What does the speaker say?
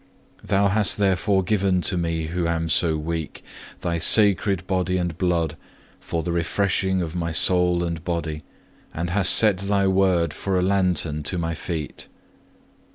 Thou hast therefore given to me who am so weak, Thy sacred Body and Blood, for the refreshing of my soul and body, and hast set Thy Word for a lantern to my feet.